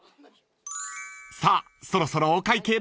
［さあそろそろお会計です］